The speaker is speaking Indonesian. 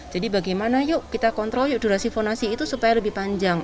jadi bagaimana yuk kita kontrol yuk durasi fonasi itu supaya lebih panjang